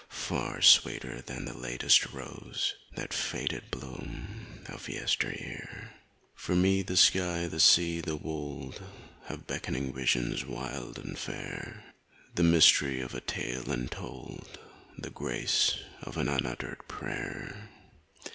Far sweeter than the latest rose, That faded bloom of yesteryear. 137 For me the sky, the sea, the wold, Have beckoning visions wild and fair, The mystery of a tale untold, The grace of an unuttered prayer.